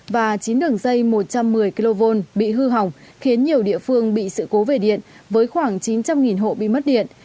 và chín đường dây một trăm một mươi kv bị hư hỏng khiến nhiều địa phương bị sự cố về điện với khoảng chín trăm linh hộ bị mất điện